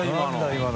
今の。